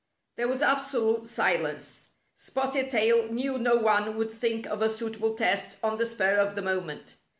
There was absolute silence. Spotted Tail knew no one would think of a suitable test on the spur of the moment.